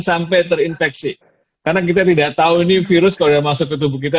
sampai terinfeksi karena kita tidak tahu ini virus kalau sudah masuk ke tubuh kita